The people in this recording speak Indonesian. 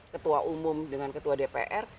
ketua umum dengan ketua dpr